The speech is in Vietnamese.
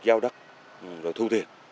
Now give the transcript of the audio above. giao đất rồi thu tiền